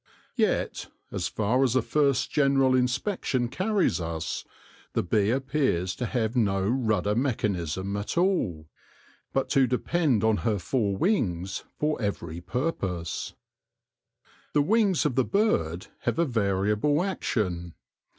Yet, as far as a first general inspection carries us, the bee appears to have no rudder mechan ism at all, but to depend on her four wings for every purpose. The wings of the bird have a variable action.